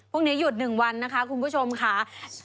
พรุ่งนี้หยุด๑วันนะคะคุณผู้ชมค่ะ